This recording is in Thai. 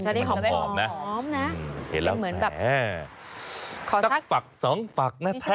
จะได้หอมนะเป็นเหมือนแบบสักฝัก๒ฝักนะแทะ